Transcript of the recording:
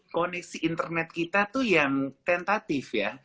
koneksi internet kita tuh yang tentatif ya